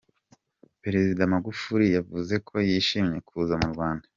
Perezida Magufuri yavuze ko yishimiye kuza mu Rwanda.